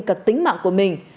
cả tính mạng của mình